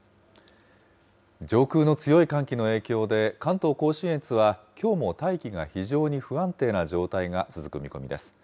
上空の強い寒気の影響で、関東甲信越はきょうも大気が非常に不安定な状態が続く見込みです。